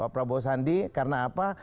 prof sandi karena apa